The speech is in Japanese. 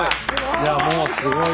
いやもうすごいわ！